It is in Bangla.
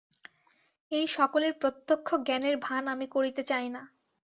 এই সকলের প্রত্যক্ষ জ্ঞানের ভান আমি করিতে চাই না।